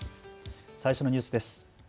最初のニュースです。